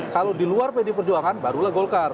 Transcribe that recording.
kalau di luar pd perjuangan barulah golkar